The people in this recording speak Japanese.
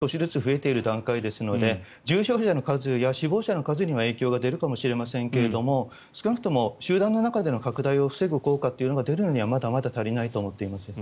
まだ現時点では高齢者を中心に少しずつ増えている段階ですので重症者の数や死亡者の数には影響が出るかもしれませんが少なくとも集団の中での拡大を防ぐ効果が出るのには、まだまだ足りないと思っています。